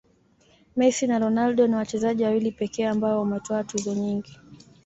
messi na ronaldo ni wachezaji wawili pekee ambao wametwaa tuzo nyingi